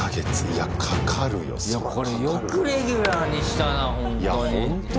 いやこれよくレギュラーにしたなほんとに。